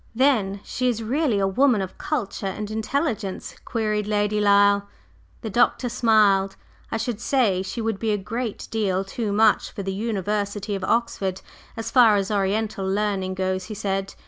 "Then she is really a woman of culture and intelligence?" queried Lady Lyle. The Doctor smiled. "I should say she would be a great deal too much for the University of Oxford, as far as Oriental learning goes," he said.